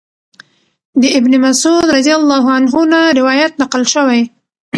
د ابن مسعود رضی الله عنه نه روايت نقل شوی